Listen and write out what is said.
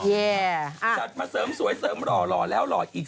จัดมาเสริมสวยเสริมหล่อหล่อแล้วหล่ออีก